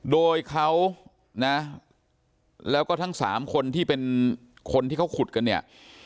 โดยเขานะแล้วก็ทั้งสามคนที่เป็นคนที่เขาขุดกันเนี่ย